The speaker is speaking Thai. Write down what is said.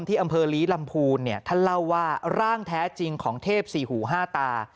ที่อำเภอลีลำพูนเนี่ยท่านเล่าว่าร่างแท้จริงของเทพสี่หูห้าตา